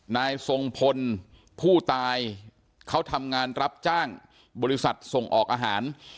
นายทรงพลผู้ตายเขาทำงานรับจ้างบริษัทส่งออกอาหาร